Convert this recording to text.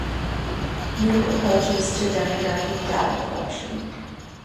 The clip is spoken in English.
New Approaches to Demographic Data Collection.